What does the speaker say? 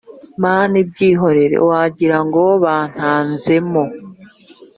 Mani byihorere wagirango bantanzemo